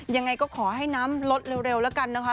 ยังไงก็ขอให้น้ำลดเร็วแล้วกันนะคะ